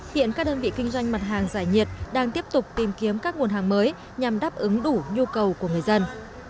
hiện các đơn vị kinh doanh mặt hàng giải nhiệt đang tiếp tục tìm kiếm các nguồn hàng mới nhằm đáp ứng đủ nhu cầu của người dân